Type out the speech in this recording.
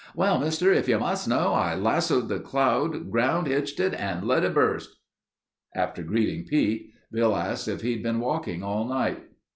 'Well, Mister, if you must know, I lassoed the cloud, ground hitched it and let it bust....'" After greeting Pete, Bill asked if he'd been walking all night.